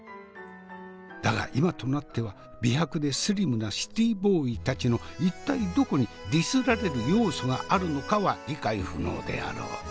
だが今となっては美白でスリムなシティーボーイたちの一体どこにディスられる要素があるのかは理解不能であろう。